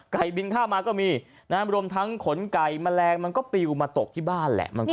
ไก่บินคาบมาก็มีนะฮะรวมทั้งขนไก่แมลงมันก็ปิวมาตกที่บ้านแหละมันก็มี